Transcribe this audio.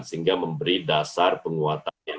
sehingga memberi dasar penguatan